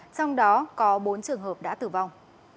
trong đó có bốn trường hợp đã tử vong